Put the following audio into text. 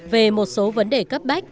về một số vấn đề cấp bách